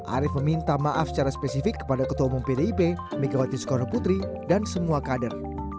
arief meminta maaf secara spesifik kepada ketua umum pdip megawati soekarno putri dan semua kader